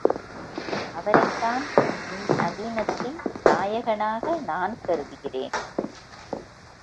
அவரைத்தான் இந் நவீனத்தின் நாயகனாக நான் கருதுகிறேன்.